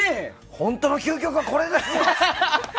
本当の究極はこれだ！って。